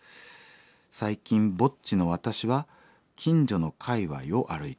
最近ぼっちの私は近所の界わいを歩いています。